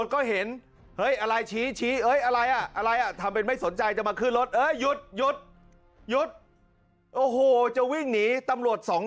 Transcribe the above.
สนใจจะมาคืนรถเออหยุดหยุดหยุดโอ้โหจะวิ่งหนีตำรวจสอง